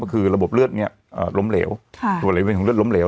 ก็คือระบบเลือดเนี้ยอ่าล้มเหลวค่ะระบบระยะวิวันของเลือดล้มเหลว